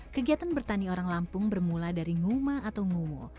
kegiatan bertani orang lampung bermula dari nguma atau ngumo